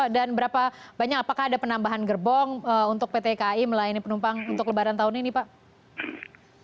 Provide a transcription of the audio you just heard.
dan apakah ada penambahan gerbong untuk pt kai melayani penumpang untuk lebaran tahun ini pak